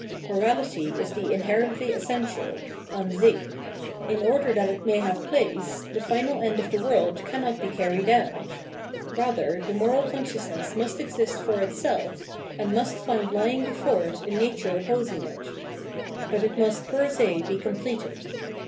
Morality is the inherently essential (Ansich ); in order that it may have place, the final end of the world cannot be carried out ; rather, the moral conscious ness must exist for itself, and must find lying before it a nature opposing it. But it must fer se be completed.